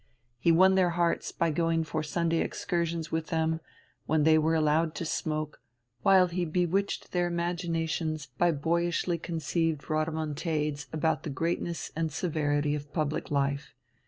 He won their hearts by going for Sunday excursions with them, when they were allowed to smoke, while he bewitched their imaginations by boyishly conceived rodomontades about the greatness and severity of public life.